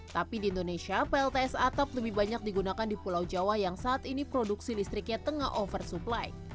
tapi di indonesia plts atap lebih banyak digunakan di pulau jawa yang saat ini produksi listriknya tengah oversupply